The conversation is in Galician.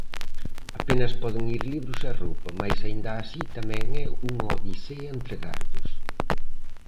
Apenas poden ir libros e roupa, mais aínda así tamén é unha odisea entregarllos.